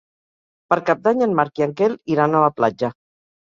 Per Cap d'Any en Marc i en Quel iran a la platja.